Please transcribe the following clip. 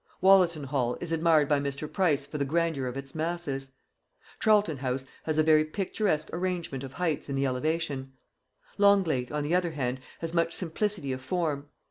Wollaton hall is admired by Mr. Price for the grandeur of its masses. Charlton house has a very picturesque arrangement of heights in the elevation; Longleat, on the other hand, has much simplicity of form.